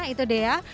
itu deh ya